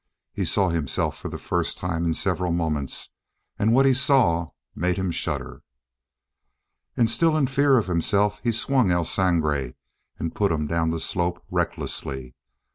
He saw himself for the first time in several moments, and what he saw made him shudder. And still in fear of himself he swung El Sangre and put him down the slope recklessly.